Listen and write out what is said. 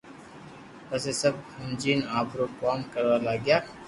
پسي سب ھمجين آپرو ڪوم ڪروا لاگيا